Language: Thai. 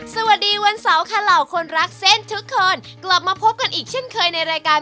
สวัสดีวันเสาร์ค่ะเหล่าคนรักเส้นทุกคนกลับมาพบกันอีกเช่นเคยในรายการ